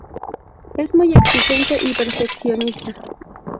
Es muy exigente y perfeccionista.